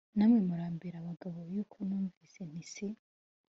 Namwe murambere abagabo yuko navuze nti Si